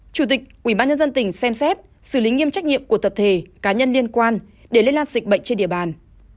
chủ tịch ubnd tỉnh xem xét xử lý nghiêm trách nhiệm của tập thể cá nhân liên quan để lây lan dịch bệnh trên địa bàn